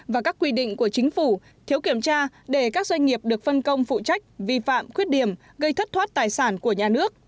và các quy định của chính phủ thiếu kiểm tra để các doanh nghiệp được phân công phụ trách vi phạm khuyết điểm gây thất thoát tài sản của nhà nước